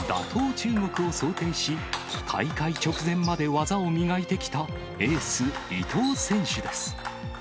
中国を想定し、大会直前まで技を磨いてきたエース、伊藤選手です。